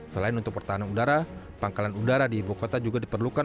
selain untuk pertahanan udara pangkalan udara di ibu kota juga diperlukan